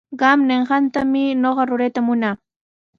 Qam ninqaykitami ñuqa rurayta munaa.